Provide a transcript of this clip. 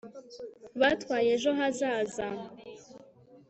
batwaye ejo hazaza